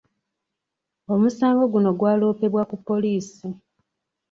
Omusango guno gwalopebwa ku poliisi.